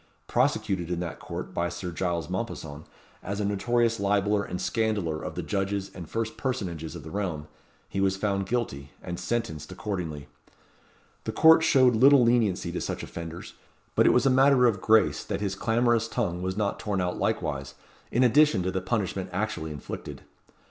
Prosecuted in that court by Sir Giles Mompesson, as a notorious libeller and scandaller of the judges and first personages of the realm, he was found guilty, and sentenced accordingly. The court showed little leniency to such offenders; but it was a matter of grace that his clamorous tongue was not torn out likewise, in addition to the punishment actually inflicted.